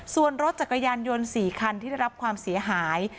ส่วนรถจักรยานยนต์๔คันที่ได้รับความเสียหาย